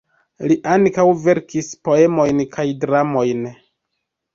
Li ankaŭ verkis poemojn kaj dramojn.